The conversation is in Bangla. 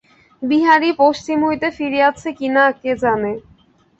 বিহারী পশ্চিম হইতে ফিরিয়াছে কি না, কে জানে।